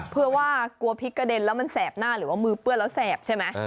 เพื่อว่ากลัวพริกกระเด็นแล้วมันแสบหน้าหรือว่ามือเปื้อนแล้วแสบใช่ไหม